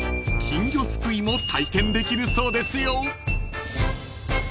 ［金魚すくいも体験できるそうですよ］